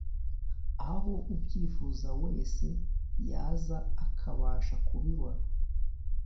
aho ubyifuza wese yaza akabasha kubibona